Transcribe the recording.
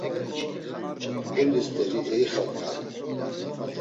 Ǩundi steri eyixaǩaru.